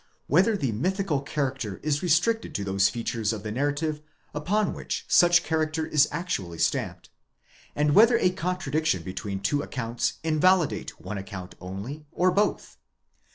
whether the mythical char acter is restricted to those features of the narrative, upon which such character is actually stamped ; and whether a contradiction between two accounts in validate one account only, or both?